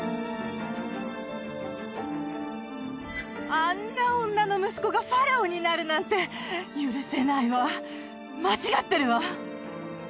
あんな女の息子がファラオになるなんて許せないわ間違ってるわ。